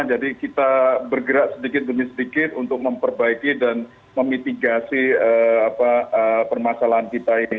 jadi kita bergerak sedikit demi sedikit untuk memperbaiki dan memitigasi permasalahan kita ini